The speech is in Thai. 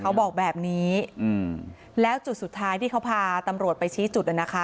เขาบอกแบบนี้อืมแล้วจุดสุดท้ายที่เขาพาตำรวจไปชี้จุดน่ะนะคะ